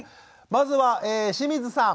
まずは清水さん。